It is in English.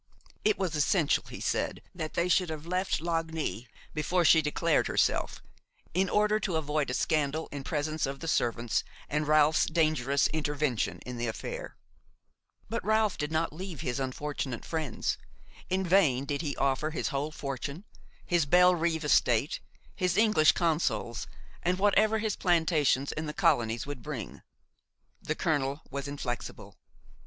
It was essential, he said, that they should have left Lagny before she declared herself, in order to avoid a scandal in presence of the servants, and Ralph's dangerous intervention in the affair. But Ralph did not leave his unfortunate friends. In vain did he offer his whole fortune, his Bellerive estate, his English consols, and whatever his plantations in the colonies would bring; the colonel was inflexible.